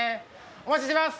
お待ちしてます！